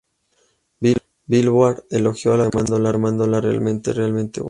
Billboard elogió la canción, llamándola "realmente, realmente buena".